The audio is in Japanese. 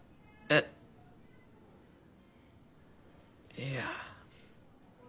いや。